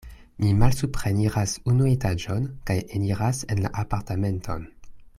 Mi malsupreniras unu etaĝon kaj eniras en la apartamenton.